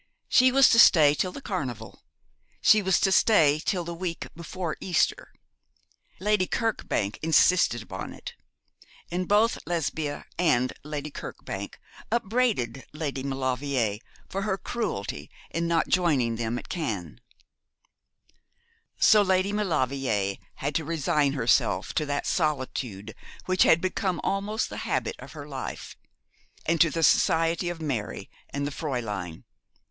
She was to stay till the carnival; she was to stay till the week before Easter. Lady Kirkbank insisted upon it; and both Lesbia and Lady Kirkbank upbraided Lady Maulevrier for her cruelty in not joining them at Cannes. So Lady Maulevrier had to resign herself to that solitude which had become almost the habit of her life, and to the society of Mary and the Fräulein.